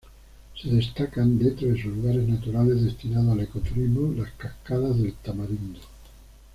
Se destacan dentro de sus lugares naturales destinados al ecoturismo las "cascadas del tamarindo".